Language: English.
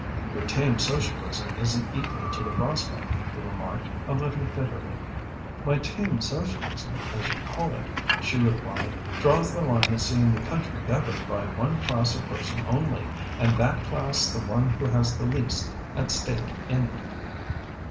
"Your tame socialism isn't equal to the prospect," he remarked, a little bitterly. "My tame socialism, as you call it," she replied, "draws the line at seeing the country governed by one class of person only, and that class the one who has the least at stake in it."